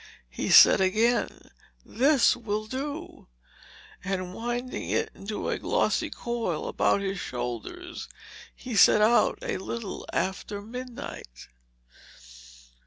He said again, "This will do," and winding it in a glossy coil about his shoulders, he set out a little after midnight.